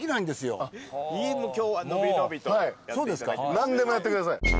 何でもやってください。